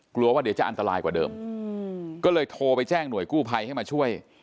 กลัวว่าเดี๋ยวจะอันตรายกว่าเดิมก็เลยโทรไปแจ้งหน่วยกู้ภัยให้มาช่วย